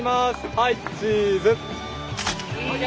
はいチーズ！